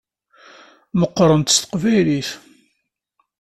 Meqqṛen-d s teqbaylit.